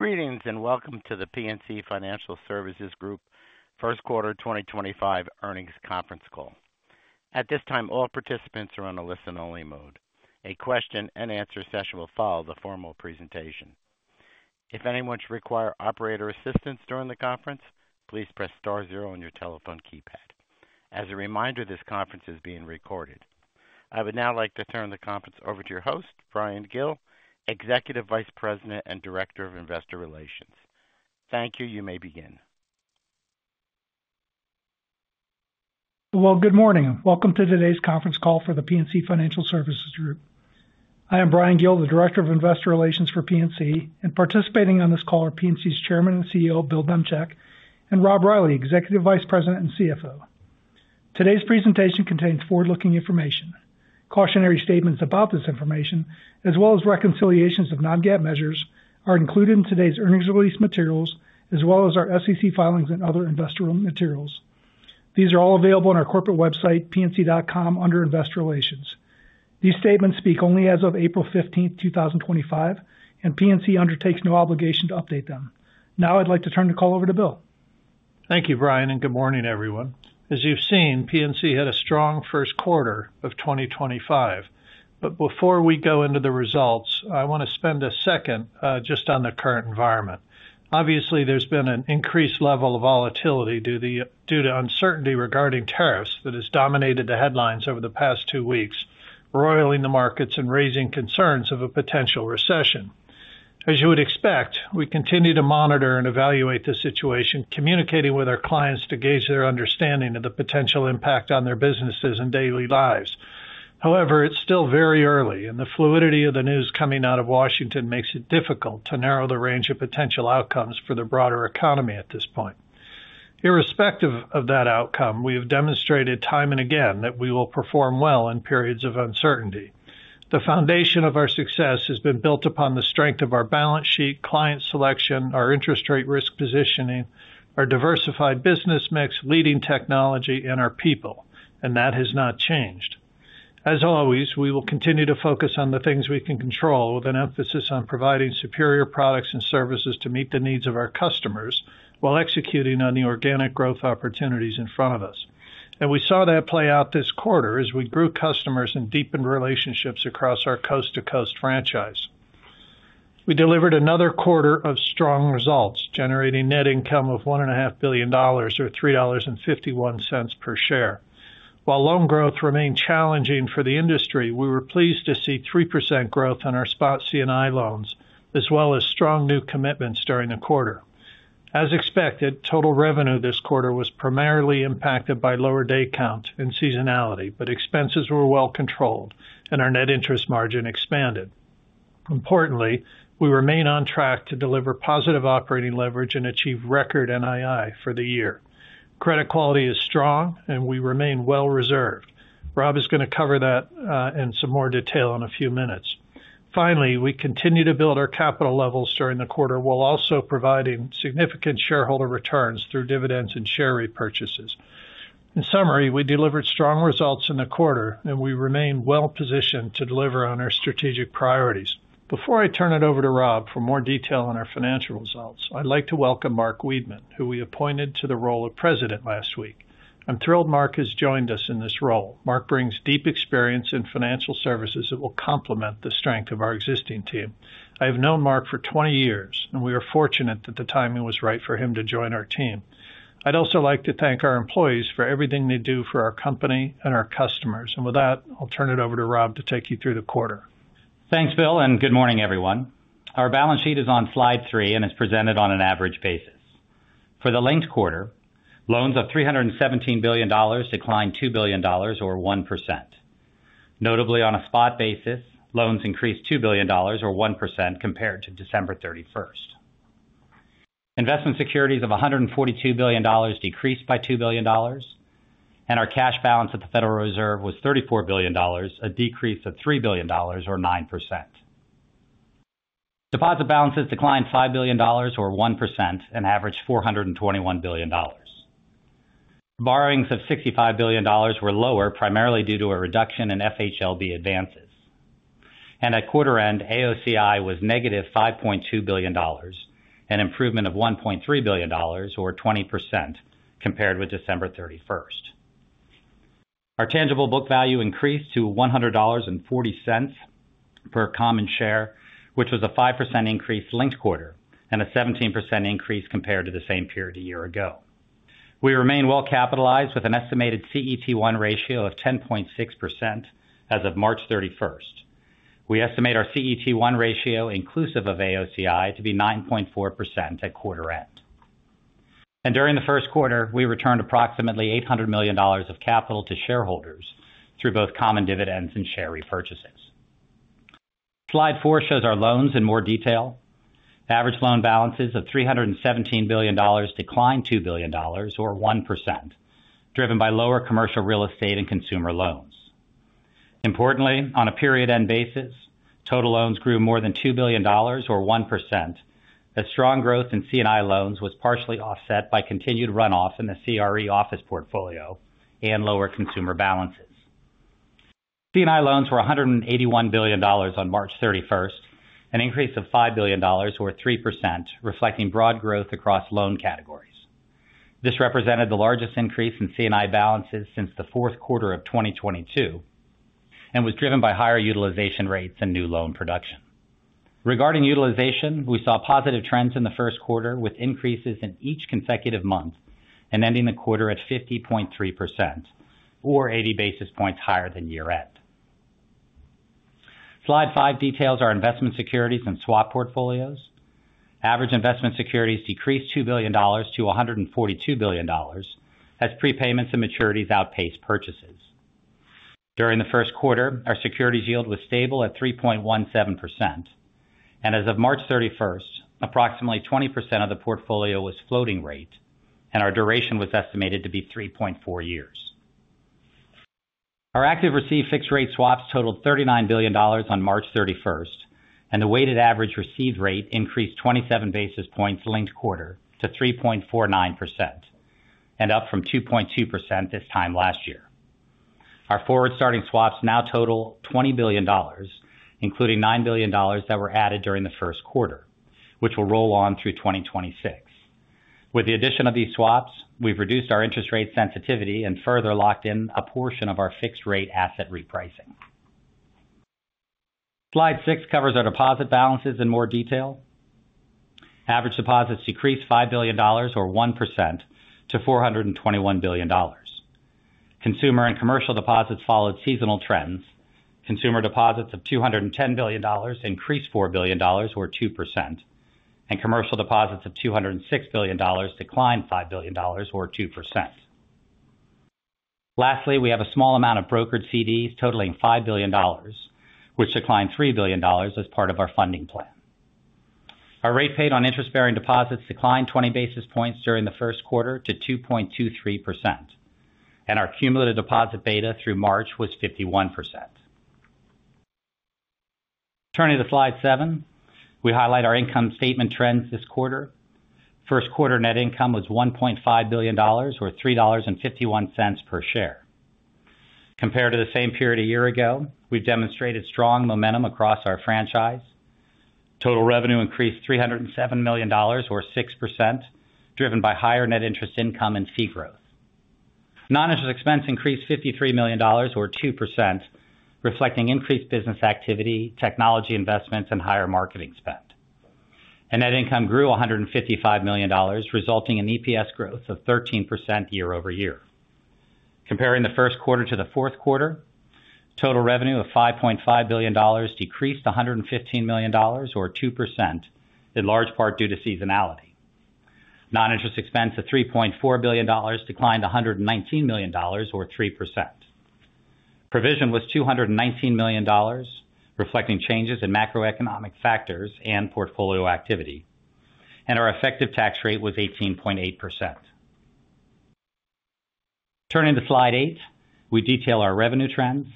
Greetings and welcome to the PNC Financial Services Group First Quarter 2025 Earnings Conference Call. At this time, all participants are on a listen-only mode. A question-and-answer session will follow the formal presentation. If anyone should require operator assistance during the conference, please press star zero on your telephone keypad. As a reminder, this conference is being recorded. I would now like to turn the conference over to your host, Bryan Gill, Executive Vice President and Director of Investor Relations. Thank you. You may begin. Good morning. Welcome to today's conference call for The PNC Financial Services Group. I am Bryan Gill, the Director of Investor Relations for PNC, and participating on this call are PNC's Chairman and CEO, Bill Demchak, and Rob Reilly, Executive Vice President and CFO. Today's presentation contains forward-looking information. Cautionary statements about this information, as well as reconciliations of non-GAAP measures, are included in today's earnings release materials, as well as our SEC filings and other investor materials. These are all available on our corporate website, pnc.com, under Investor Relations. These statements speak only as of April 15, 2025, and PNC undertakes no obligation to update them. Now, I'd like to turn the call over to Bill. Thank you, Bryan, and good morning, everyone. As you've seen, PNC had a strong first quarter of 2025. Before we go into the results, I want to spend a second just on the current environment. Obviously, there's been an increased level of volatility due to uncertainty regarding tariffs that has dominated the headlines over the past two weeks, roiling the markets and raising concerns of a potential recession. As you would expect, we continue to monitor and evaluate the situation, communicating with our clients to gauge their understanding of the potential impact on their businesses and daily lives. However, it's still very early, and the fluidity of the news coming out of Washington makes it difficult to narrow the range of potential outcomes for the broader economy at this point. Irrespective of that outcome, we have demonstrated time and again that we will perform well in periods of uncertainty. The foundation of our success has been built upon the strength of our balance sheet, client selection, our interest rate risk positioning, our diversified business mix, leading technology, and our people, and that has not changed. As always, we will continue to focus on the things we can control, with an emphasis on providing superior products and services to meet the needs of our customers while executing on the organic growth opportunities in front of us. We saw that play out this quarter as we grew customers and deepened relationships across our coast-to-coast franchise. We delivered another quarter of strong results, generating net income of $1.5 billion, or $3.51 per share. While loan growth remained challenging for the industry, we were pleased to see 3% growth on our spot C&I loans, as well as strong new commitments during the quarter. As expected, total revenue this quarter was primarily impacted by lower day count and seasonality, but expenses were well controlled, and our net interest margin expanded. Importantly, we remain on track to deliver positive operating leverage and achieve record NII for the year. Credit quality is strong, and we remain well reserved. Rob is going to cover that in some more detail in a few minutes. Finally, we continue to build our capital levels during the quarter while also providing significant shareholder returns through dividends and share repurchases. In summary, we delivered strong results in the quarter, and we remain well positioned to deliver on our strategic priorities. Before I turn it over to Rob for more detail on our financial results, I'd like to welcome Mark Weidman, who we appointed to the role of President last week. I'm thrilled Mark has joined us in this role. Mark brings deep experience in financial services that will complement the strength of our existing team. I have known Mark for 20 years, and we are fortunate that the timing was right for him to join our team. I would also like to thank our employees for everything they do for our company and our customers. With that, I will turn it over to Rob to take you through the quarter. Thanks, Bill, and good morning, everyone. Our balance sheet is on slide three and is presented on an average basis. For the linked quarter, loans of $317 billion declined $2 billion, or 1%. Notably, on a spot basis, loans increased $2 billion, or 1%, compared to December 31. Investment securities of $142 billion decreased by $2 billion, and our cash balance at the Federal Reserve was $34 billion, a decrease of $3 billion, or 9%. Deposit balances declined $5 billion, or 1%, and averaged $421 billion. Borrowings of $65 billion were lower, primarily due to a reduction in FHLB advances. At quarter end, AOCI was negative $5.2 billion, an improvement of $1.3 billion, or 20%, compared with December 31. Our tangible book value increased to $100.40 per common share, which was a 5% increase linked quarter and a 17% increase compared to the same period a year ago. We remain well capitalized with an estimated CET1 ratio of 10.6% as of March 31. We estimate our CET1 ratio, inclusive of AOCI, to be 9.4% at quarter end. During the first quarter, we returned approximately $800 million of capital to shareholders through both common dividends and share repurchases. Slide four shows our loans in more detail. Average loan balances of $317 billion declined $2 billion, or 1%, driven by lower commercial real estate and consumer loans. Importantly, on a period end basis, total loans grew more than $2 billion, or 1%. Strong growth in C&I loans was partially offset by continued runoff in the CRE office portfolio and lower consumer balances. C&I loans were $181 billion on March 31, an increase of $5 billion, or 3%, reflecting broad growth across loan categories. This represented the largest increase in C&I balances since the fourth quarter of 2022 and was driven by higher utilization rates and new loan production. Regarding utilization, we saw positive trends in the first quarter with increases in each consecutive month and ending the quarter at 50.3%, or 80 basis points higher than year-end. Slide five details our investment securities and swap portfolios. Average investment securities decreased $2 billion to $142 billion as prepayments and maturities outpaced purchases. During the first quarter, our securities yield was stable at 3.17%. As of March 31, approximately 20% of the portfolio was floating rate, and our duration was estimated to be 3.4 years. Our active receipt fixed rate swaps totaled $39 billion on March 31, and the weighted average receipt rate increased 27 basis points linked quarter to 3.49% and up from 2.2% this time last year. Our forward-starting swaps now total $20 billion, including $9 billion that were added during the first quarter, which will roll on through 2026. With the addition of these swaps, we've reduced our interest rate sensitivity and further locked in a portion of our fixed rate asset repricing. Slide six covers our deposit balances in more detail. Average deposits decreased $5 billion, or 1%, to $421 billion. Consumer and commercial deposits followed seasonal trends. Consumer deposits of $210 billion increased $4 billion, or 2%, and commercial deposits of $206 billion declined $5 billion, or 2%. Lastly, we have a small amount of brokered CDs totaling $5 billion, which declined $3 billion as part of our funding plan. Our rate paid on interest-bearing deposits declined 20 basis points during the first quarter to 2.23%, and our cumulative deposit beta through March was 51%. Turning to slide seven, we highlight our income statement trends this quarter. First quarter net income was $1.5 billion, or $3.51 per share. Compared to the same period a year ago, we've demonstrated strong momentum across our franchise. Total revenue increased $307 million, or 6%, driven by higher net interest income and fee growth. Non-interest expense increased $53 million, or 2%, reflecting increased business activity, technology investments, and higher marketing spend. Net income grew $155 million, resulting in EPS growth of 13% year over year. Comparing the first quarter to the fourth quarter, total revenue of $5.5 billion decreased $115 million, or 2%, in large part due to seasonality. Non-interest expense of $3.4 billion declined $119 million, or 3%. Provision was $219 million, reflecting changes in macroeconomic factors and portfolio activity. Our effective tax rate was 18.8%. Turning to slide eight, we detail our revenue trends.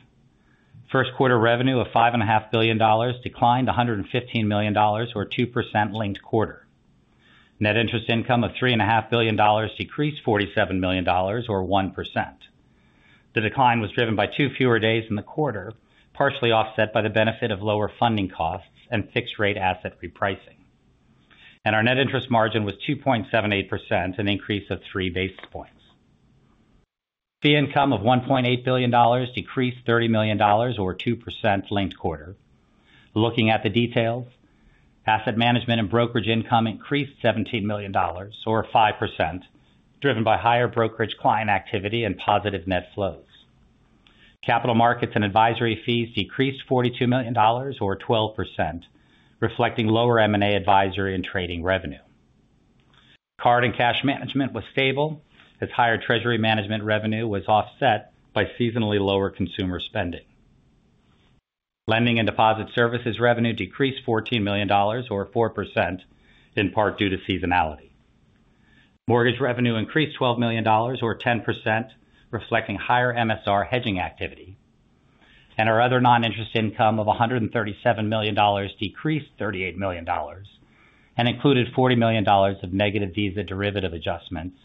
First quarter revenue of $5.5 billion declined $115 million, or 2%, linked quarter. Net interest income of $3.5 billion decreased $47 million, or 1%. The decline was driven by two fewer days in the quarter, partially offset by the benefit of lower funding costs and fixed rate asset repricing. Our net interest margin was 2.78%, an increase of 3 basis points. Fee income of $1.8 billion decreased $30 million, or 2%, linked quarter. Looking at the details, asset management and brokerage income increased $17 million, or 5%, driven by higher brokerage client activity and positive net flows. Capital markets and advisory fees decreased $42 million, or 12%, reflecting lower M&A advisory and trading revenue. Card and cash management was stable as higher treasury management revenue was offset by seasonally lower consumer spending. Lending and deposit services revenue decreased $14 million, or 4%, in part due to seasonality. Mortgage revenue increased $12 million, or 10%, reflecting higher MSR hedging activity. Our other non-interest income of $137 million decreased $38 million and included $40 million of negative Visa derivative adjustments,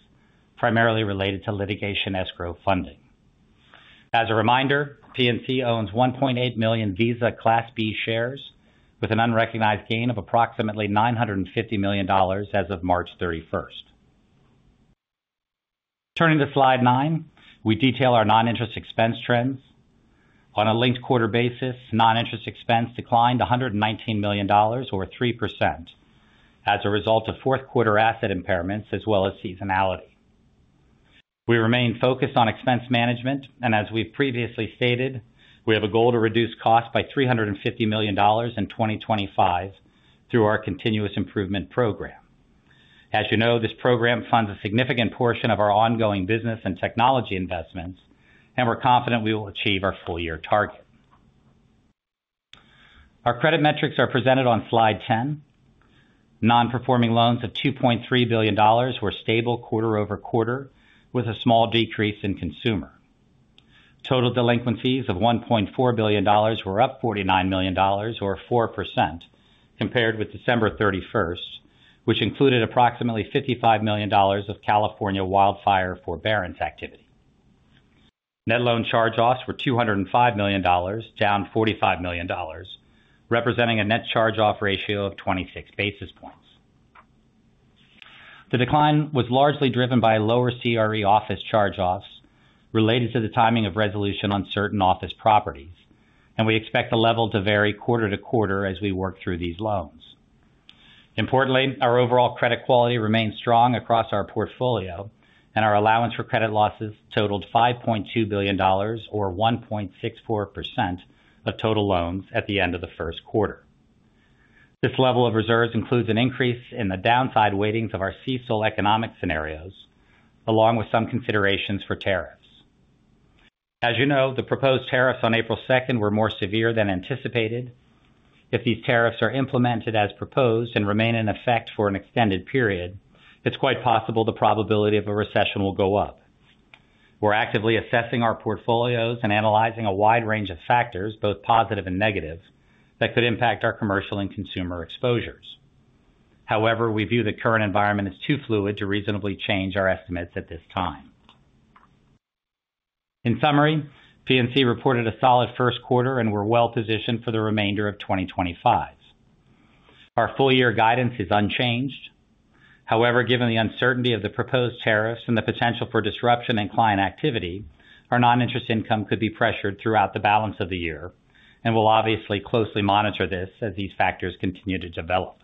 primarily related to litigation escrow funding. As a reminder, PNC owns 1.8 million Visa Class B shares with an unrecognized gain of approximately $950 million as of March 31. Turning to slide nine, we detail our non-interest expense trends. On a linked quarter basis, non-interest expense declined $119 million, or 3%, as a result of fourth quarter asset impairments as well as seasonality. We remain focused on expense management, and as we've previously stated, we have a goal to reduce costs by $350 million in 2025 through our continuous improvement program. As you know, this program funds a significant portion of our ongoing business and technology investments, and we're confident we will achieve our full-year target. Our credit metrics are presented on slide 10. Non-performing loans of $2.3 billion were stable quarter over quarter, with a small decrease in consumer. Total delinquencies of $1.4 billion were up $49 million, or 4%, compared with December 31, which included approximately $55 million of California wildfire forbearance activity. Net loan charge-offs were $205 million, down $45 million, representing a net charge-off ratio of 26 basis points. The decline was largely driven by lower CRE office charge-offs related to the timing of resolution on certain office properties, and we expect the level to vary quarter to quarter as we work through these loans. Importantly, our overall credit quality remained strong across our portfolio, and our allowance for credit losses totaled $5.2 billion, or 1.64% of total loans at the end of the first quarter. This level of reserves includes an increase in the downside weightings of our CECL economic scenarios, along with some considerations for tariffs. As you know, the proposed tariffs on April 2 were more severe than anticipated. If these tariffs are implemented as proposed and remain in effect for an extended period, it's quite possible the probability of a recession will go up. We're actively assessing our portfolios and analyzing a wide range of factors, both positive and negative, that could impact our commercial and consumer exposures. However, we view the current environment as too fluid to reasonably change our estimates at this time. In summary, PNC reported a solid first quarter and we're well positioned for the remainder of 2025. Our full-year guidance is unchanged. However, given the uncertainty of the proposed tariffs and the potential for disruption in client activity, our non-interest income could be pressured throughout the balance of the year and will obviously closely monitor this as these factors continue to develop.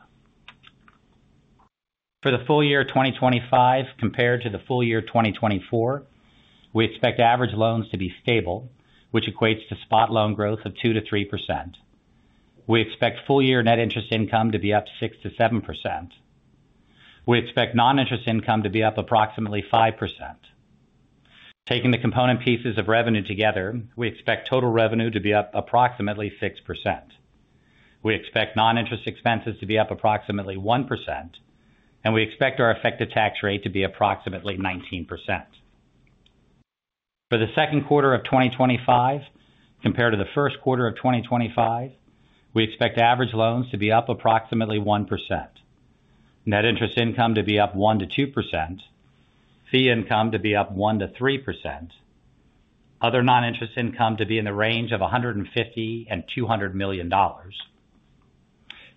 For the full year 2025 compared to the full year 2024, we expect average loans to be stable, which equates to spot loan growth of 2%-3%. We expect full-year net interest income to be up 6%-7%. We expect non-interest income to be up approximately 5%. Taking the component pieces of revenue together, we expect total revenue to be up approximately 6%. We expect non-interest expenses to be up approximately 1%, and we expect our effective tax rate to be approximately 19%. For the second quarter of 2025 compared to the first quarter of 2025, we expect average loans to be up approximately 1%, net interest income to be up 1%-2%, fee income to be up 1%-3%, other non-interest income to be in the range of $150 million-$200 million.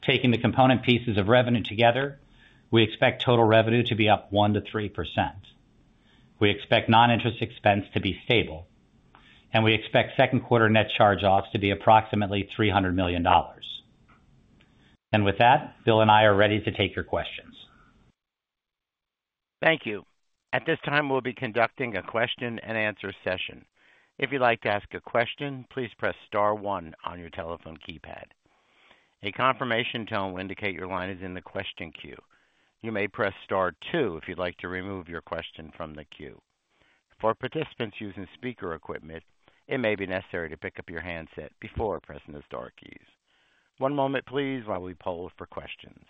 Taking the component pieces of revenue together, we expect total revenue to be up 1%-3%. We expect non-interest expense to be stable, and we expect second quarter net charge-offs to be approximately $300 million. Bill and I are ready to take your questions. Thank you. At this time, we'll be conducting a question-and-answer session. If you'd like to ask a question, please press star one on your telephone keypad. A confirmation tone will indicate your line is in the question queue. You may press star two if you'd like to remove your question from the queue. For participants using speaker equipment, it may be necessary to pick up your handset before pressing the star keys. One moment, please, while we poll for questions.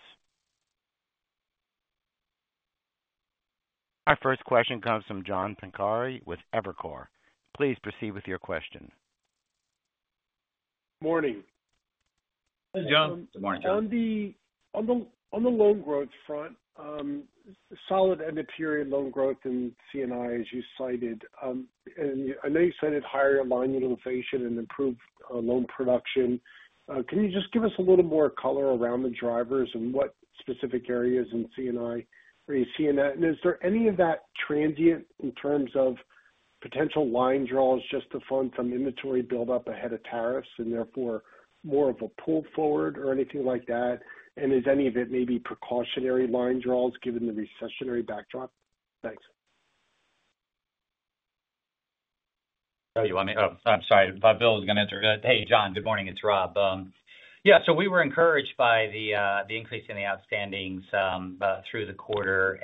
Our first question comes from John Pancari with Evercore. Please proceed with your question. Morning. John. Good morning, John. On the loan growth front, solid and a period loan growth in C&I, as you cited. I know you cited higher line utilization and improved loan production. Can you just give us a little more color around the drivers and what specific areas in C&I are you seeing that? Is there any of that transient in terms of potential line draws just to fund some inventory buildup ahead of tariffs and therefore more of a pull forward or anything like that? Is any of it maybe precautionary line draws given the recessionary backdrop? Thanks. Oh, you want me? Oh, I'm sorry. Bill was going to answer that. Hey, John. Good morning. It's Rob. Yeah, we were encouraged by the increase in the outstandings through the quarter.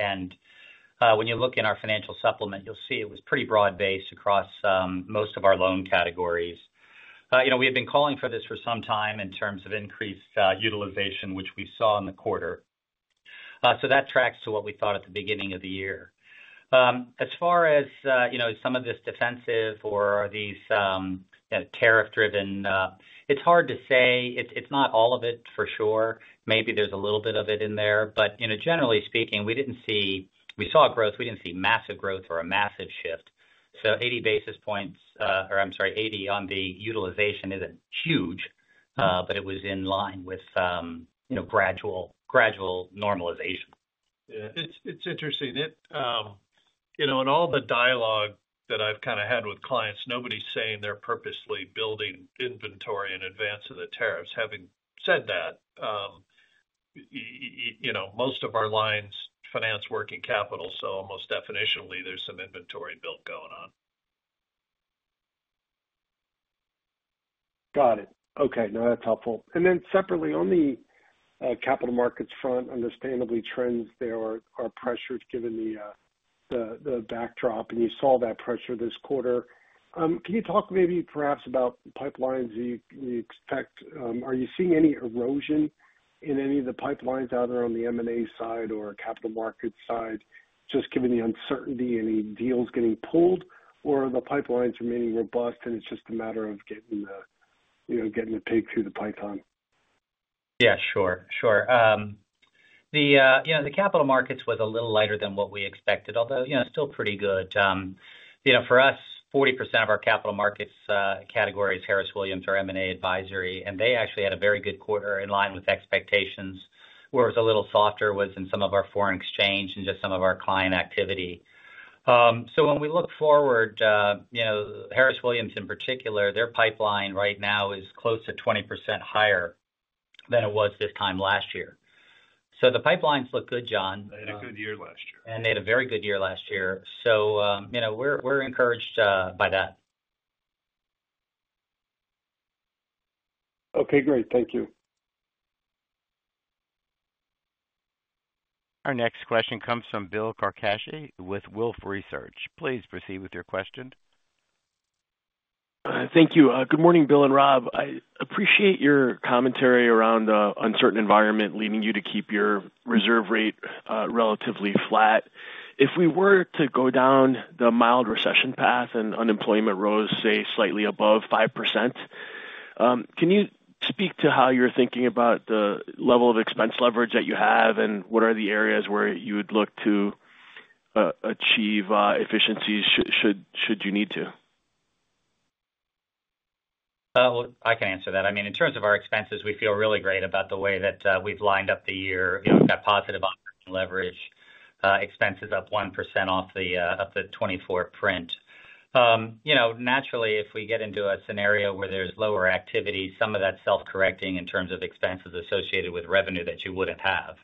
When you look in our financial supplement, you'll see it was pretty broad-based across most of our loan categories. We had been calling for this for some time in terms of increased utilization, which we saw in the quarter. That tracks to what we thought at the beginning of the year. As far as some of this defensive or these tariff-driven, it's hard to say. It's not all of it for sure. Maybe there's a little bit of it in there. Generally speaking, we saw growth. We didn't see massive growth or a massive shift. Eighty basis points, or I'm sorry, eighty on the utilization isn't huge, but it was in line with gradual normalization. Yeah, it's interesting. In all the dialogue that I've kind of had with clients, nobody's saying they're purposely building inventory in advance of the tariffs. Having said that, most of our lines finance working capital, so almost definitionally, there's some inventory build going on. Got it. Okay. No, that's helpful. Then separately, on the capital markets front, understandably, trends there are pressured given the backdrop, and you saw that pressure this quarter. Can you talk maybe perhaps about pipelines that you expect? Are you seeing any erosion in any of the pipelines either on the M&A side or capital markets side, just given the uncertainty and any deals getting pulled, or are the pipelines remaining robust, and it's just a matter of getting the pig through the python? Yeah, sure. The capital markets was a little lighter than what we expected, although still pretty good. For us, 40% of our capital markets category is Harris Williams or M&A advisory, and they actually had a very good quarter in line with expectations. Where it was a little softer was in some of our foreign exchange and just some of our client activity. When we look forward, Harris Williams in particular, their pipeline right now is close to 20% higher than it was this time last year. The pipelines look good, John. They had a good year last year. They had a very good year last year. We are encouraged by that. Okay, great. Thank you. Our next question comes from Bill Carcache with Wolfe Research. Please proceed with your question. Thank you. Good morning, Bill and Rob. I appreciate your commentary around the uncertain environment leading you to keep your reserve rate relatively flat. If we were to go down the mild recession path and unemployment rose, say, slightly above 5%, can you speak to how you're thinking about the level of expense leverage that you have and what are the areas where you would look to achieve efficiencies should you need to? I can answer that. I mean, in terms of our expenses, we feel really great about the way that we've lined up the year. We've got positive operating leverage, expenses up 1% off the 2024 print. Naturally, if we get into a scenario where there's lower activity, some of that's self-correcting in terms of expenses associated with revenue that you wouldn't have.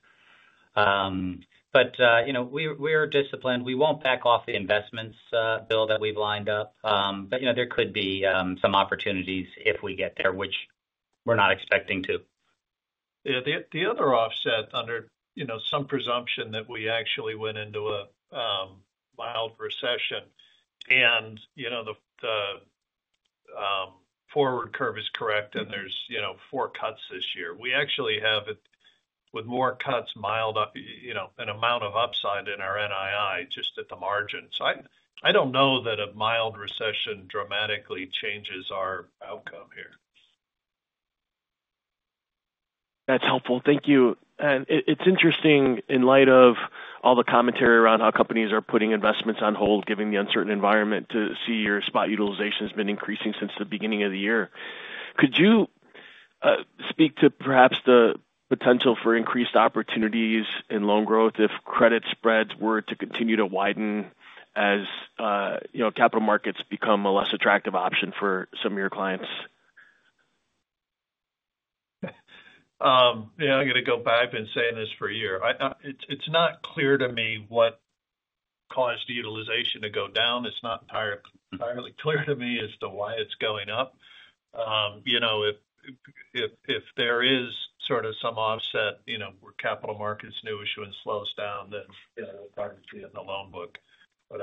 We are disciplined. We won't back off the investments, Bill, that we've lined up, but there could be some opportunities if we get there, which we're not expecting to. Yeah. The other offset, under some presumption that we actually went into a mild recession and the forward curve is correct and there are four cuts this year, we actually have it with more cuts, an amount of upside in our NII just at the margin. I do not know that a mild recession dramatically changes our outcome here. That's helpful. Thank you. It's interesting in light of all the commentary around how companies are putting investments on hold, given the uncertain environment, to see your spot utilization has been increasing since the beginning of the year. Could you speak to perhaps the potential for increased opportunities in loan growth if credit spreads were to continue to widen as capital markets become a less attractive option for some of your clients? Yeah. I'm going to go back and say this for a year. It's not clear to me what caused utilization to go down. It's not entirely clear to me as to why it's going up. If there is sort of some offset where capital markets new issue and slows down, then we'll probably see it in the loan book. One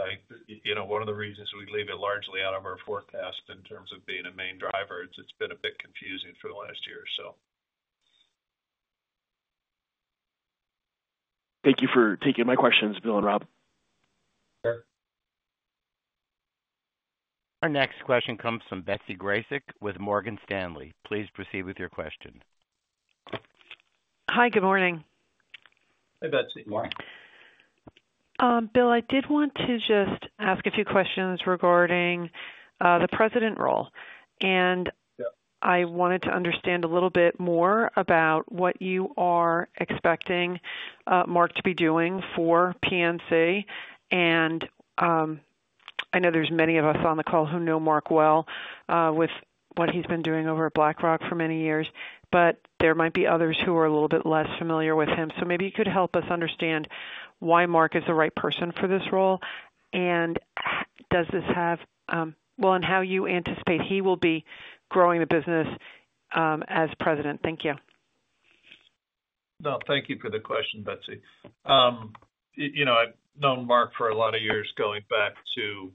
of the reasons we leave it largely out of our forecast in terms of being a main driver is it's been a bit confusing for the last year, so. Thank you for taking my questions, Bill and Rob. Our next question comes from Betsy Grasek with Morgan Stanley. Please proceed with your question. Hi, good morning. Hey, Betsy. Good morning. Bill, I did want to just ask a few questions regarding the president role. I wanted to understand a little bit more about what you are expecting Mark to be doing for PNC. I know there are many of us on the call who know Mark well with what he has been doing over at BlackRock for many years, but there might be others who are a little bit less familiar with him. Maybe you could help us understand why Mark is the right person for this role, and does this have, well, and how you anticipate he will be growing the business as president. Thank you. No, thank you for the question, Betsy. I've known Mark for a lot of years going back to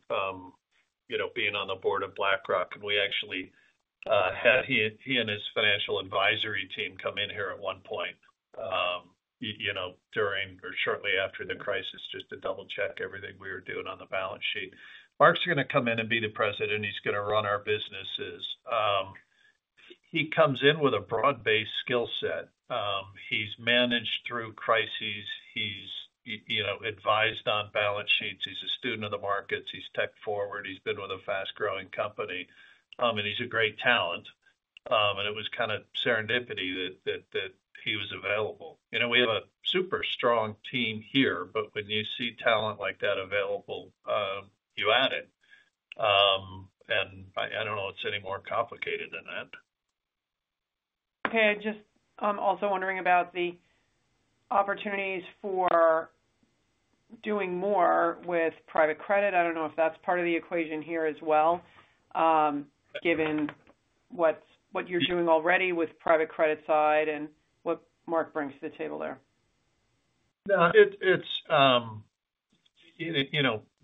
being on the board of BlackRock. We actually had him and his financial advisory team come in here at one point during or shortly after the crisis just to double-check everything we were doing on the balance sheet. Mark's going to come in and be the president. He's going to run our businesses. He comes in with a broad-based skill set. He's managed through crises. He's advised on balance sheets. He's a student of the markets. He's tech-forward. He's been with a fast-growing company. He's a great talent. It was kind of serendipity that he was available. We have a super strong team here, but when you see talent like that available, you add it. I don't know it's any more complicated than that. Okay. Just also wondering about the opportunities for doing more with private credit. I don't know if that's part of the equation here as well, given what you're doing already with private credit side and what Mark brings to the table there. Yeah.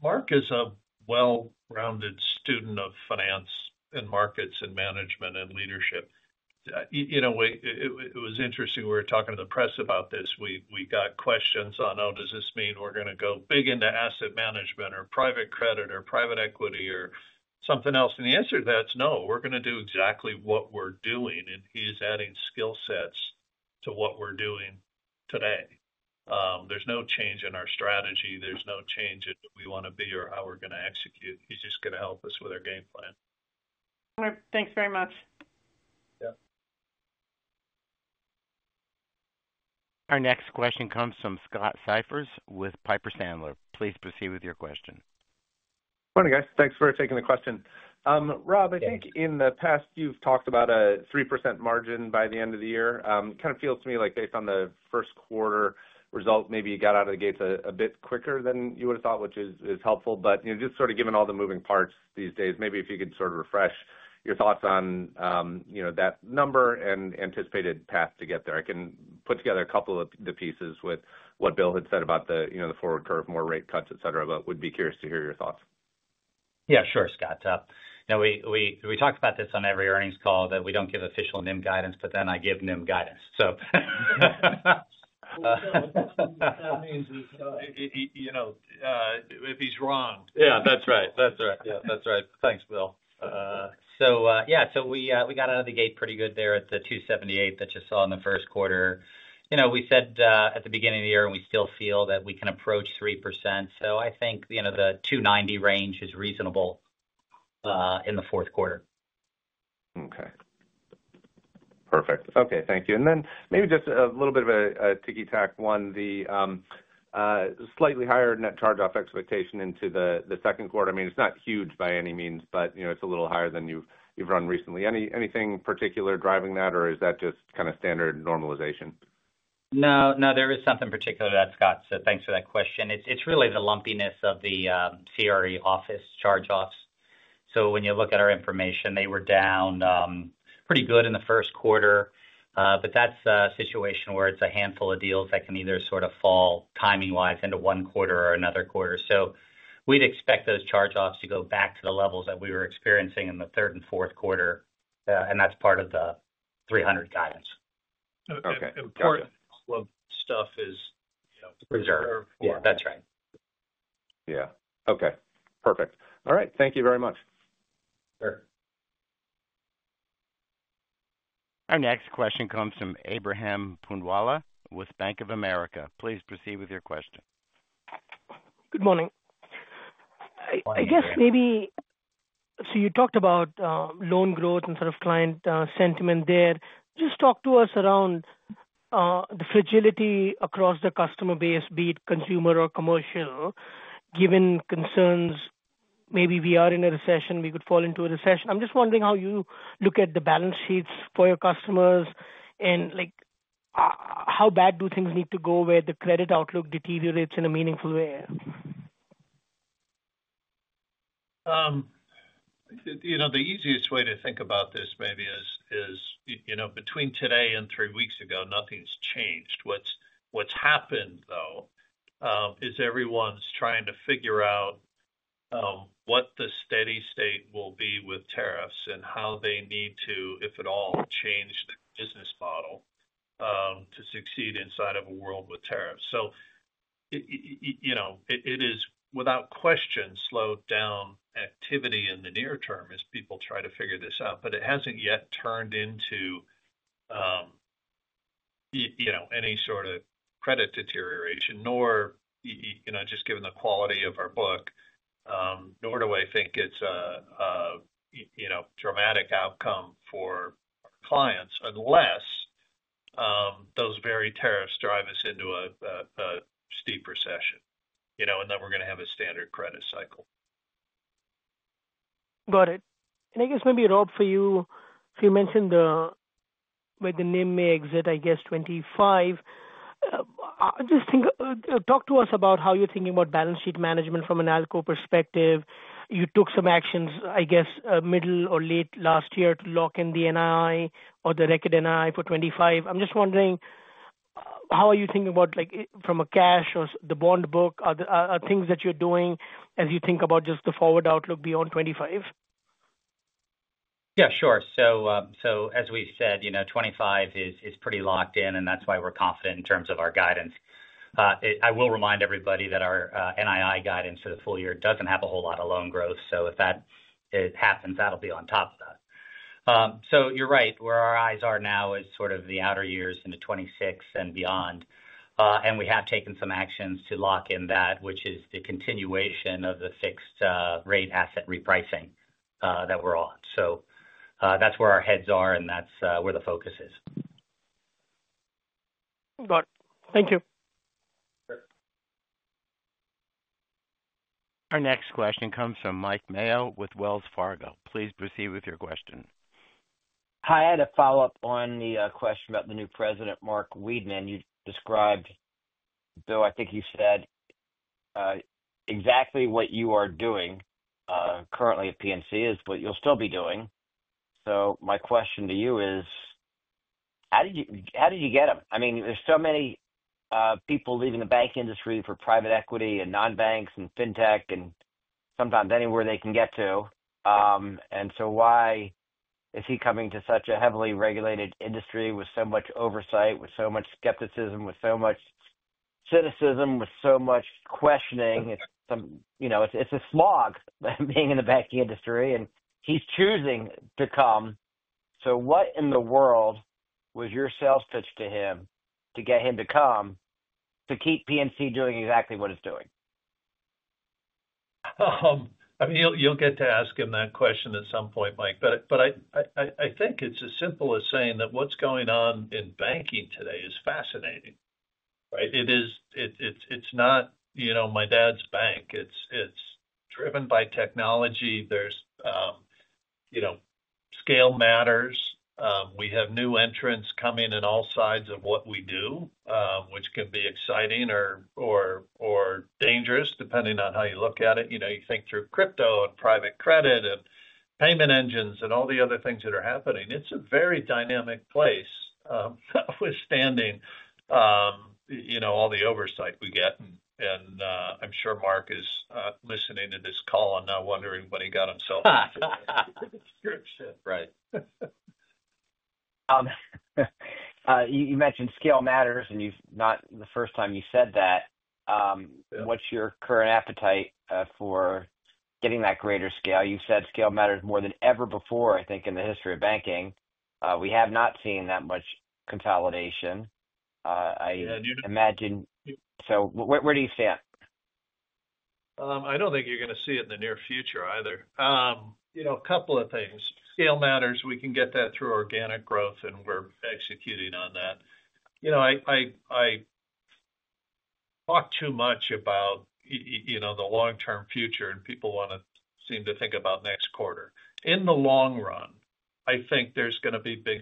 Mark is a well-rounded student of finance and markets and management and leadership. It was interesting we were talking to the press about this. We got questions on, "Oh, does this mean we're going to go big into asset management or private credit or private equity or something else?" The answer to that is, "No, we're going to do exactly what we're doing." He's adding skill sets to what we're doing today. There's no change in our strategy. There's no change in who we want to be or how we're going to execute. He's just going to help us with our game plan. Thanks very much. Our next question comes from Scott Siefers with Piper Sandler. Please proceed with your question. Morning, guys. Thanks for taking the question. Rob, I think in the past, you've talked about a 3% margin by the end of the year. It kind of feels to me like based on the first quarter result, maybe you got out of the gates a bit quicker than you would have thought, which is helpful. Just sort of given all the moving parts these days, maybe if you could sort of refresh your thoughts on that number and anticipated path to get there. I can put together a couple of the pieces with what Bill had said about the forward curve, more rate cuts, etc., but would be curious to hear your thoughts. Yeah, sure, Scott. Now, we talked about this on every earnings call that we don't give official NIM guidance, but then I give NIM guidance, so. That means if he's wrong. Yeah, that's right. That's right. Yeah, that's right. Thanks, Bill. Yeah, we got out of the gate pretty good there at the 2.78 that you saw in the first quarter. We said at the beginning of the year, and we still feel that we can approach 3%. I think the 2.90 range is reasonable in the fourth quarter. Okay. Perfect. Okay. Thank you. Maybe just a little bit of a ticky-tack one, the slightly higher net charge-off expectation into the second quarter. I mean, it's not huge by any means, but it's a little higher than you've run recently. Anything particular driving that, or is that just kind of standard normalization? No, no. There is something particular to that, Scott. Thanks for that question. It's really the lumpiness of the CRE office charge-offs. When you look at our information, they were down pretty good in the first quarter, but that's a situation where it's a handful of deals that can either sort of fall timing-wise into one quarter or another quarter. We'd expect those charge-offs to go back to the levels that we were experiencing in the third and fourth quarter, and that's part of the 300 guidance. Okay. Part of stuff is. Preserved. Yeah, that's right. Yeah. Okay. Perfect. All right. Thank you very much. Sure. Our next question comes from Ebrahim Poonawala with Bank of America. Please proceed with your question. Good morning. I guess maybe you talked about loan growth and sort of client sentiment there. Just talk to us around the fragility across the customer base, be it consumer or commercial, given concerns maybe we are in a recession, we could fall into a recession. I'm just wondering how you look at the balance sheets for your customers and how bad do things need to go where the credit outlook deteriorates in a meaningful way? The easiest way to think about this maybe is between today and three weeks ago, nothing's changed. What's happened, though, is everyone's trying to figure out what the steady state will be with tariffs and how they need to, if at all, change the business model to succeed inside of a world with tariffs. It is, without question, slowed down activity in the near term as people try to figure this out, but it hasn't yet turned into any sort of credit deterioration, nor just given the quality of our book, nor do I think it's a dramatic outcome for our clients unless those very tariffs drive us into a steep recession and that we're going to have a standard credit cycle. Got it. I guess maybe, Rob, for you, you mentioned where the NIM may exit, I guess, 2025. Just talk to us about how you're thinking about balance sheet management from an outgo perspective. You took some actions, I guess, middle or late last year to lock in the NII or the record NII for 2025. I'm just wondering how are you thinking about from a cash or the bond book? Are things that you're doing as you think about just the forward outlook beyond 2025? Yeah, sure. As we said, 2025 is pretty locked in, and that's why we're confident in terms of our guidance. I will remind everybody that our NII guidance for the full year does not have a whole lot of loan growth. If that happens, that'll be on top of that. You're right. Where our eyes are now is sort of the outer years into 2026 and beyond. We have taken some actions to lock in that, which is the continuation of the fixed-rate asset repricing that we're on. That's where our heads are, and that's where the focus is. Got it. Thank you. Our next question comes from Mike Mayo with Wells Fargo. Please proceed with your question. Hi. I had a follow-up on the question about the new president, Mark Weidman. You described, Bill, I think you said exactly what you are doing currently at PNC is what you'll still be doing. My question to you is, how did you get him? I mean, there are so many people leaving the bank industry for private equity and non-banks and fintech and sometimes anywhere they can get to. Why is he coming to such a heavily regulated industry with so much oversight, with so much skepticism, with so much cynicism, with so much questioning? It is a smog being in the bank industry, and he is choosing to come. What in the world was your sales pitch to him to get him to come to keep PNC doing exactly what it is doing? I mean, you'll get to ask him that question at some point, Mike. I think it's as simple as saying that what's going on in banking today is fascinating, right? It's not my dad's bank. It's driven by technology. Scale matters. We have new entrants coming in all sides of what we do, which can be exciting or dangerous depending on how you look at it. You think through crypto and private credit and payment engines and all the other things that are happening. It's a very dynamic place withstanding all the oversight we get. I'm sure Mark is listening to this call and now wondering what he got himself into. Right. You mentioned scale matters, and it's not the first time you said that. What's your current appetite for getting that greater scale? You said scale matters more than ever before, I think, in the history of banking. We have not seen that much consolidation. I imagine. Where do you stand? I don't think you're going to see it in the near future either. A couple of things. Scale matters. We can get that through organic growth, and we're executing on that. I talk too much about the long-term future, and people want to seem to think about next quarter. In the long run, I think there's going to be big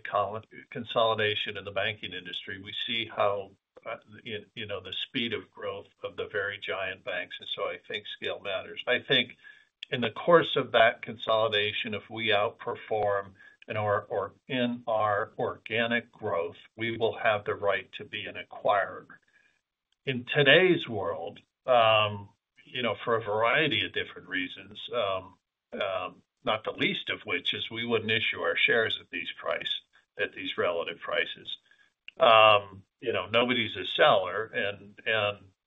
consolidation in the banking industry. We see how the speed of growth of the very giant banks. I think scale matters. I think in the course of that consolidation, if we outperform in our organic growth, we will have the right to be an acquirer. In today's world, for a variety of different reasons, not the least of which is we wouldn't issue our shares at these relative prices. Nobody's a seller.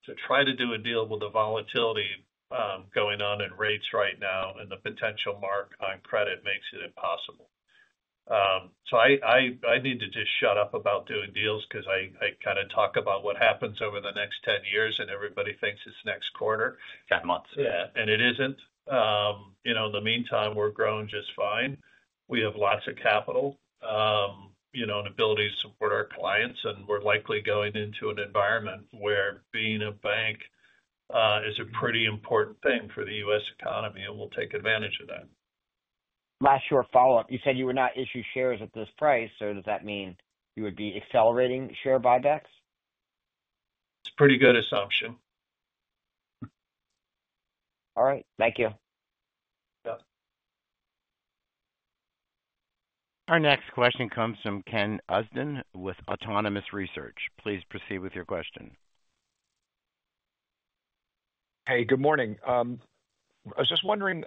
To try to do a deal with the volatility going on in rates right now and the potential mark on credit makes it impossible. I need to just shut up about doing deals because I kind of talk about what happens over the next 10 years, and everybody thinks it is next quarter. Months. Yeah. It isn't. In the meantime, we're growing just fine. We have lots of capital and ability to support our clients. We're likely going into an environment where being a bank is a pretty important thing for the U.S. economy, and we'll take advantage of that. Last short follow-up. You said you would not issue shares at this price. Does that mean you would be accelerating share buybacks? It's a pretty good assumption. All right. Thank you. Yeah. Our next question comes from Ken Usdin with Autonomous Research. Please proceed with your question. Hey, good morning. I was just wondering,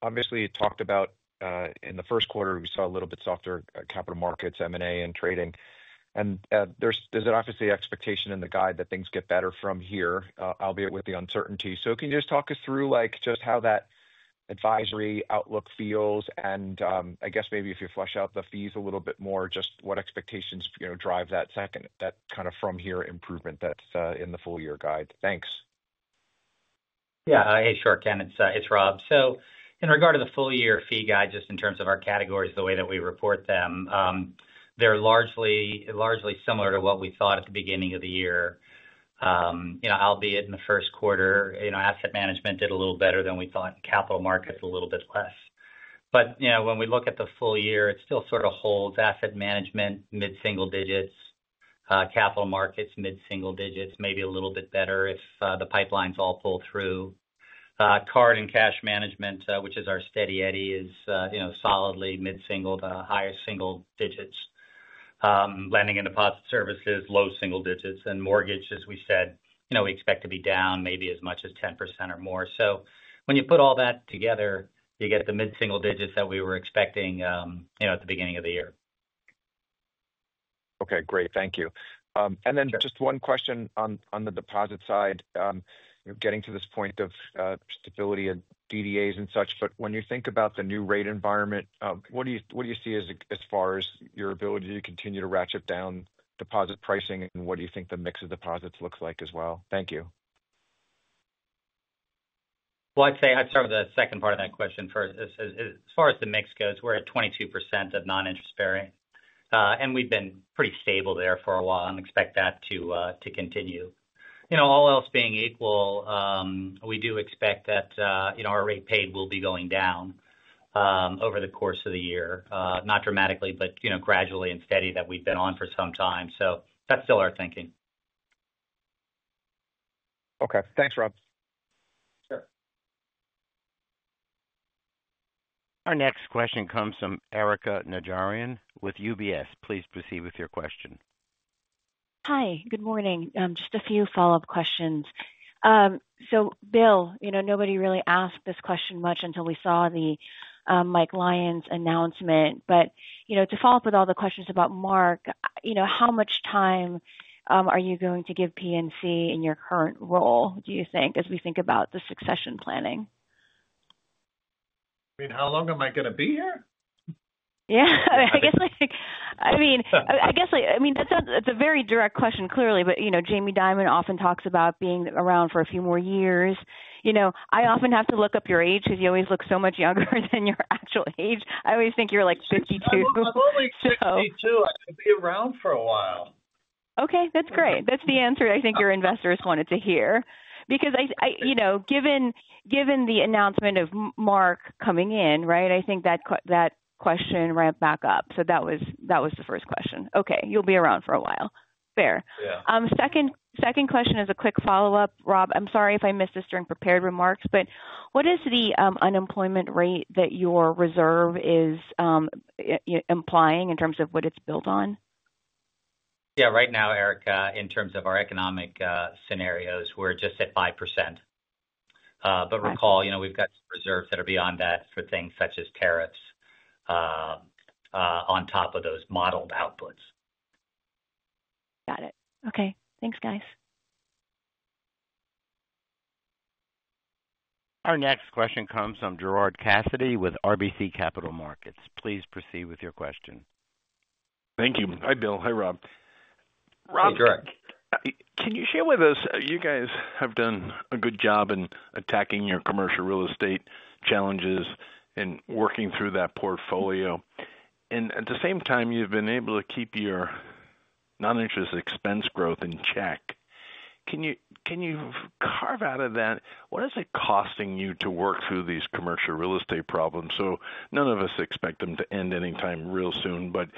obviously, you talked about in the first quarter, we saw a little bit softer capital markets, M&A, and trading. There is obviously an expectation in the guide that things get better from here, albeit with the uncertainty. Can you just talk us through just how that advisory outlook feels? I guess maybe if you flesh out the fees a little bit more, just what expectations drive that kind of from-here improvement that is in the full-year guide? Thanks. Yeah. Hey, sure, Ken. It's Rob. In regard to the full-year fee guide, just in terms of our categories, the way that we report them, they're largely similar to what we thought at the beginning of the year, albeit in the first quarter, asset management did a little better than we thought, capital markets a little bit less. When we look at the full year, it still sort of holds asset management mid-single digits, capital markets mid-single digits, maybe a little bit better if the pipelines all pull through. Card and cash management, which is our steady eddy, is solidly mid-single, the highest single digits. Lending and deposit services, low single digits. Mortgage, as we said, we expect to be down maybe as much as 10% or more. When you put all that together, you get the mid-single digits that we were expecting at the beginning of the year. Okay. Great. Thank you. Just one question on the deposit side. Getting to this point of stability and DDAs and such, but when you think about the new rate environment, what do you see as far as your ability to continue to ratchet down deposit pricing, and what do you think the mix of deposits looks like as well? Thank you. I would say I would start with the second part of that question. As far as the mix goes, we are at 22% of non-interest bearing. We have been pretty stable there for a while and expect that to continue. All else being equal, we do expect that our rate paid will be going down over the course of the year, not dramatically, but gradually and steady that we have been on for some time. That is still our thinking. Okay. Thanks, Rob. Sure. Our next question comes from Erika Najarian with UBS. Please proceed with your question. Hi. Good morning. Just a few follow-up questions. Bill, nobody really asked this question much until we saw the Mike Lyons announcement. To follow up with all the questions about Mark, how much time are you going to give PNC in your current role, do you think, as we think about the succession planning? I mean, how long am I going to be here? Yeah. I guess I mean, that's a very direct question, clearly, but Jamie Dimon often talks about being around for a few more years. I often have to look up your age because you always look so much younger than your actual age. I always think you're like 52. I'm only 52. I can be around for a while. Okay. That's great. That's the answer I think your investors wanted to hear. Because given the announcement of Mark coming in, right, I think that question ramped back up. That was the first question. Okay. You'll be around for a while. Fair. Yeah. Second question is a quick follow-up, Rob. I'm sorry if I missed this during prepared remarks, but what is the unemployment rate that your reserve is implying in terms of what it's built on? Yeah. Right now, Erica, in terms of our economic scenarios, we're just at 5%. But recall, we've got reserves that are beyond that for things such as tariffs on top of those modeled outputs. Got it. Okay. Thanks, guys. Our next question comes from Gerard Cassidy with RBC Capital Markets. Please proceed with your question. Thank you. Hi, Bill. Hi, Rob. Rob. Hey, Gerard. Can you share with us, you guys have done a good job in attacking your commercial real estate challenges and working through that portfolio. At the same time, you've been able to keep your non-interest expense growth in check. Can you carve out of that, what is it costing you to work through these commercial real estate problems? None of us expect them to end anytime real soon, but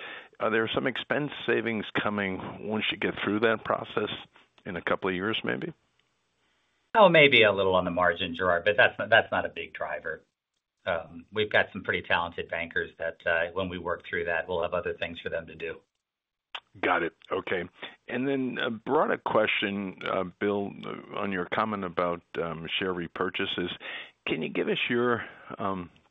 are there some expense savings coming once you get through that process in a couple of years, maybe? Oh, maybe a little on the margin, Gerard, but that's not a big driver. We've got some pretty talented bankers that when we work through that, we'll have other things for them to do. Got it. Okay. Then a broader question, Bill, on your comment about share repurchases. Can you give us your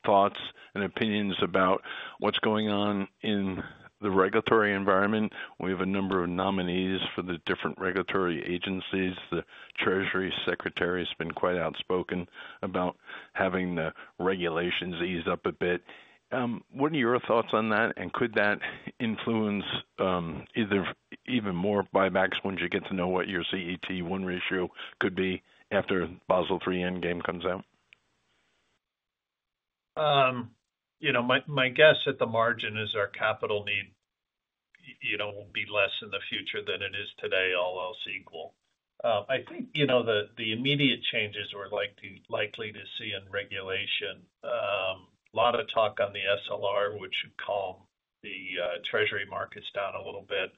thoughts and opinions about what's going on in the regulatory environment? We have a number of nominees for the different regulatory agencies. The Treasury Secretary has been quite outspoken about having the regulations ease up a bit. What are your thoughts on that? Could that influence either even more buybacks once you get to know what your CET1 ratio could be after Basel III Endgame comes out? My guess at the margin is our capital need will be less in the future than it is today, all else equal. I think the immediate changes we're likely to see in regulation, a lot of talk on the SLR, which should calm the Treasury markets down a little bit,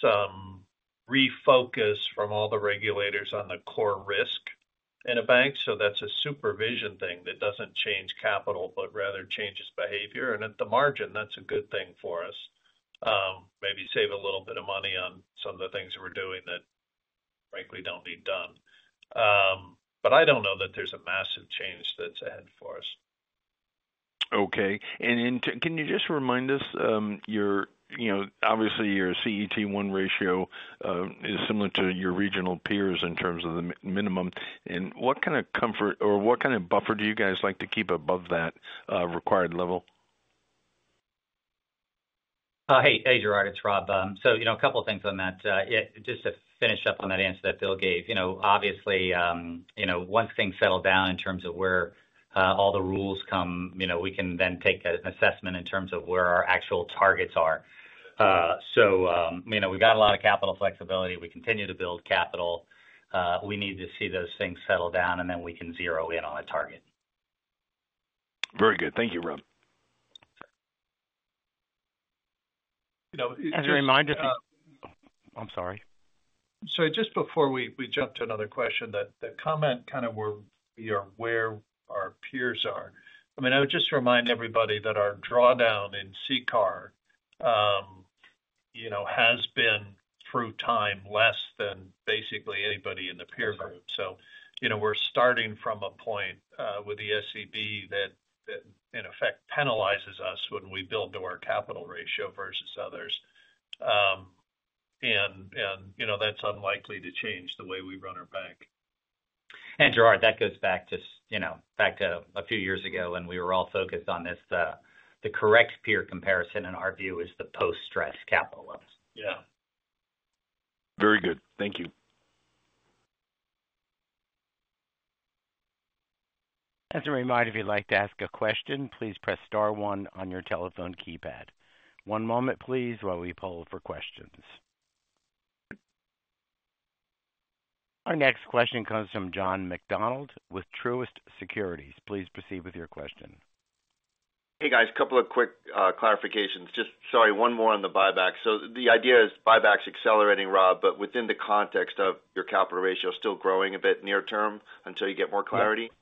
some refocus from all the regulators on the core risk in a bank. That is a supervision thing that doesn't change capital, but rather changes behavior. At the margin, that's a good thing for us. Maybe save a little bit of money on some of the things we're doing that frankly don't need done. I don't know that there's a massive change that's ahead for us. Okay. Can you just remind us, obviously, your CET1 ratio is similar to your regional peers in terms of the minimum. What kind of comfort or what kind of buffer do you guys like to keep above that required level? Hey, Gerard, it's Rob. A couple of things on that. Just to finish up on that answer that Bill gave, obviously, once things settle down in terms of where all the rules come, we can then take an assessment in terms of where our actual targets are. We've got a lot of capital flexibility. We continue to build capital. We need to see those things settle down, and then we can zero in on a target. Very good. Thank you, Rob. As a reminder. I'm sorry. Just before we jump to another question, the comment kind of where our peers are. I mean, I would just remind everybody that our drawdown in CET1 has been through time less than basically anybody in the peer group. We are starting from a point with the SCB that, in effect, penalizes us when we build to our capital ratio versus others. That is unlikely to change the way we run our bank. Gerard, that goes back to a few years ago when we were all focused on this. The correct peer comparison in our view is the post-stress capital levels. Yeah. Very good. Thank you. As a reminder, if you'd like to ask a question, please press star one on your telephone keypad. One moment, please, while we poll for questions. Our next question comes from John McDonald with Truist Securities. Please proceed with your question. Hey, guys. A couple of quick clarifications. Just sorry, one more on the buyback. The idea is buybacks accelerating, Rob, but within the context of your capital ratio still growing a bit near term until you get more clarity?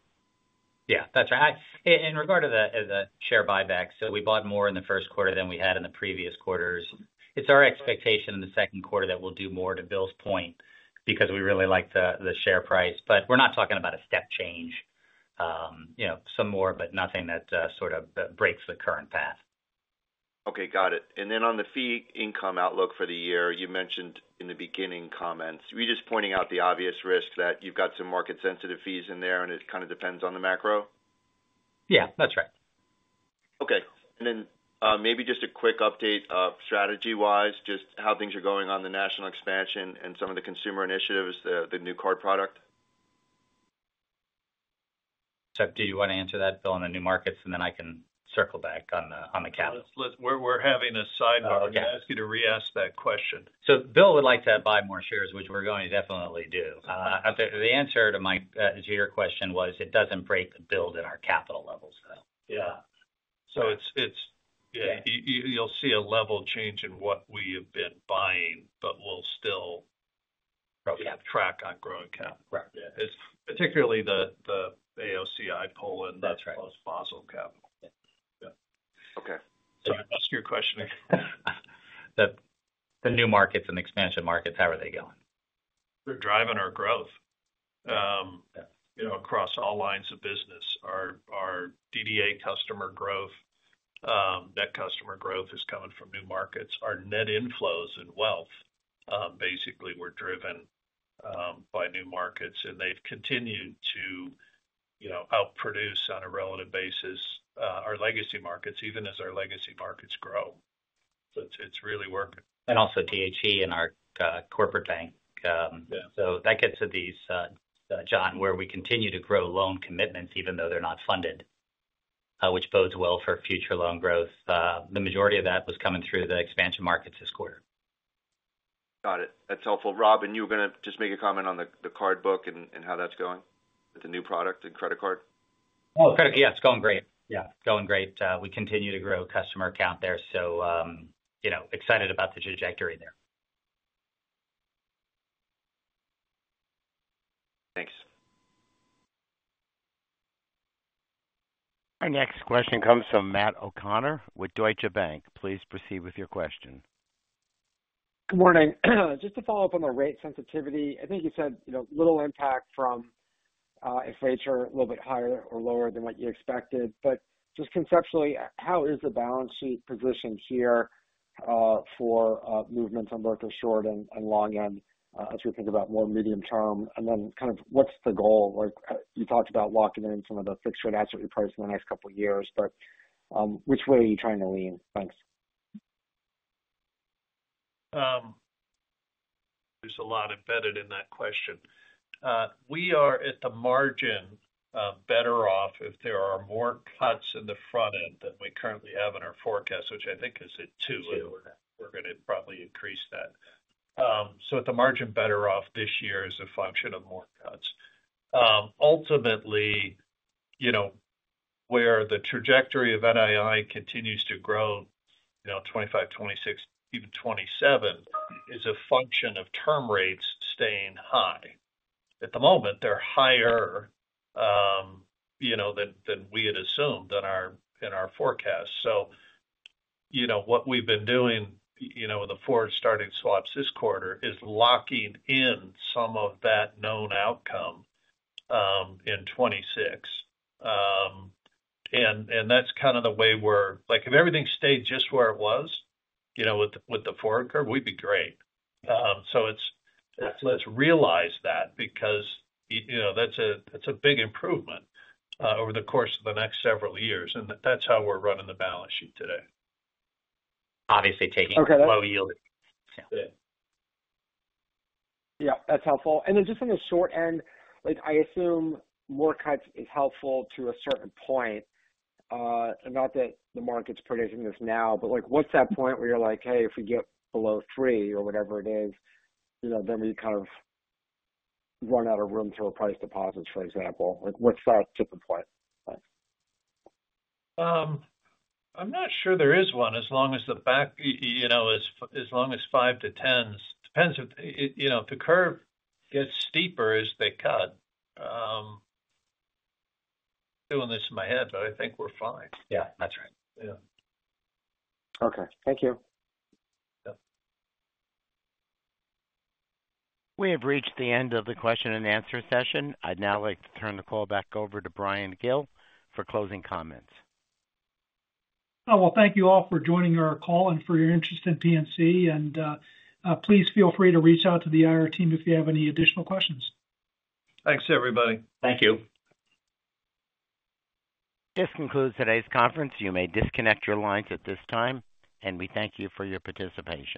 Yeah. That's right. In regard to the share buybacks, we bought more in the first quarter than we had in the previous quarters. It's our expectation in the second quarter that we'll do more, to Bill's point, because we really like the share price. We're not talking about a step change. Some more, but nothing that sort of breaks the current path. Okay. Got it. And then on the fee income outlook for the year, you mentioned in the beginning comments, are you just pointing out the obvious risk that you've got some market-sensitive fees in there, and it kind of depends on the macro? Yeah, that's right. Okay. Maybe just a quick update strategy-wise, just how things are going on the national expansion and some of the consumer initiatives, the new card product? Do you want to answer that, Bill, on the new markets, and then I can circle back on the capital? We're having a sidebar. I'm going to ask you to re-ask that question. Bill would like to buy more shares, which we're going to definitely do. The answer to your question was it doesn't break the build in our capital levels, though. Yeah. You'll see a level change in what we have been buying, but we'll still keep track on growing capital. It's particularly the AOCI pull and the post-Basel capital. Yeah. I'll ask you a question again. The new markets and expansion markets, how are they going? They're driving our growth across all lines of business. Our DDA customer growth, net customer growth is coming from new markets. Our net inflows in wealth, basically, were driven by new markets, and they've continued to outproduce on a relative basis our legacy markets, even as our legacy markets grow. It is really working. And also THC in our corporate bank, that gets to these, John, where we continue to grow loan commitments, even though they're not funded, which bodes well for future loan growth. The majority of that was coming through the expansion markets this quarter. Got it. That's helpful. Rob, and you were going to just make a comment on the card book and how that's going with the new product and credit card? Oh, credit, yeah, it's going great. It's going great. We continue to grow customer count there. Excited about the trajectory there. Thanks. Our next question comes from Matt O'Connor with Deutsche Bank. Please proceed with your question. Good morning. Just to follow up on the rate sensitivity, I think you said little impact from inflation, a little bit higher or lower than what you expected. Just conceptually, how is the balance sheet position here for movements on both the short and long end as we think about more medium term? What is the goal? You talked about locking in some of the fixed rate asset reprice in the next couple of years, but which way are you trying to lean? Thanks. There's a lot embedded in that question. We are at the margin better off if there are more cuts in the front end than we currently have in our forecast, which I think is at two, and we're going to probably increase that. At the margin, better off this year as a function of more cuts. Ultimately, where the trajectory of NII continues to grow 2025, 2026, even 2027 is a function of term rates staying high. At the moment, they're higher than we had assumed in our forecast. What we've been doing with the four starting swaps this quarter is locking in some of that known outcome in 2026. That's kind of the way we're like, if everything stayed just where it was with the forward curve, we'd be great. Let's realize that because that's a big improvement over the course of the next several years. That's how we're running the balance sheet today. Obviously, taking low yield. Yeah. That's helpful. Then just on the short end, I assume more cuts is helpful to a certain point. Not that the market's predicting this now, but what's that point where you're like, "Hey, if we get below three or whatever it is, then we kind of run out of room for price deposits," for example? What's that tipping point? I'm not sure there is one as long as the back as long as 5s/10s. Depends if the curve gets steeper as they cut. I'm doing this in my head, but I think we're fine. Yeah, that's right. Yeah. Okay. Thank you. We have reached the end of the question and answer session. I'd now like to turn the call back over to Bryan Gill for closing comments. Thank you all for joining our call and for your interest in PNC. Please feel free to reach out to the IR team if you have any additional questions. Thanks, everybody. Thank you. This concludes today's conference. You may disconnect your lines at this time, and we thank you for your participation.